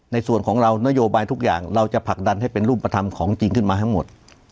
ในส่วนของเรานโยบายทุกอย่างเราจะผลักดันให้เป็นรูปธรรมของจริงขึ้นมาทั้งหมด